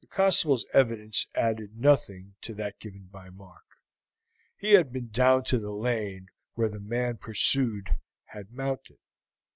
The constable's evidence added nothing to that given by Mark. He had been down to the lane where the man pursued had mounted.